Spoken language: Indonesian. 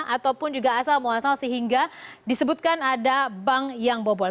ataupun juga asal muasal sehingga disebutkan ada bank yang bobol